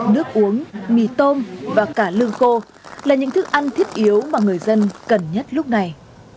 nước uống mì tôm và cả lương khô là những thức ăn thiết yếu mà người dân cần nhất lúc này